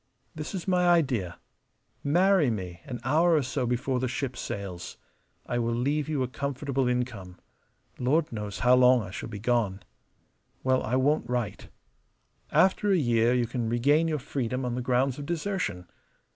This is my idea: marry me an hour or so before the ship sails. I will leave you a comfortable income. Lord knows how long I shall be gone. Well, I won't write. After a year you can regain your freedom on the grounds of desertion.